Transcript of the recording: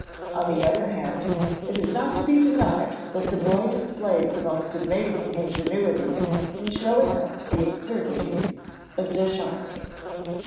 On the other hand, it is not to be denied that the boy displayed the most amazing ingenuity in showing up the absurdities of Deschartres.